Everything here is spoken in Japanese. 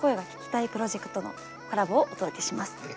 プロジェクトのコラボをお届けします。